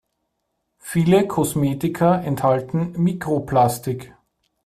Viele Kosmetika enthalten Mikroplastik.